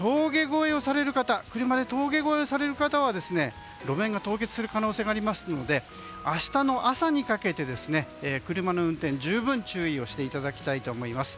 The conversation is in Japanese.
車で峠越えをされる方は路面が凍結する可能性がありますので明日の朝にかけて、車の運転十分注意をしていただきたいと思います。